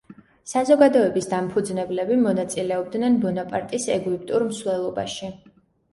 საზოგადოების დამფუძნებლები მონაწილეობდნენ ბონაპარტის ეგვიპტურ მსვლელობაში.